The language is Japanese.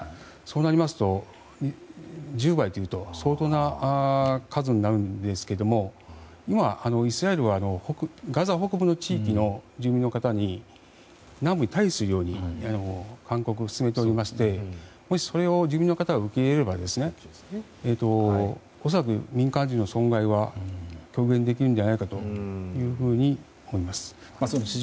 そうなりますと１０倍というと相当な数になるんですが今、イスラエルはガザ北部地域の住民の方に南部に退避するように勧告をしておりましてもし、それを住民の方が受け入れれば恐らく、民間人の損害は軽減できるんじゃないかと思います。